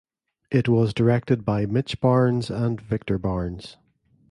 It was directed by Mitch Barnes and Victor Barnes.